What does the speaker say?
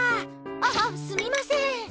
ああ、すみません。